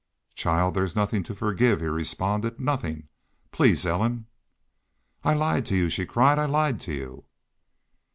"Child, there's nothin' to forgive," he responded. "Nothin'... Please, Ellen..." "I lied to y'u!" she cried. "I lied to y'u!"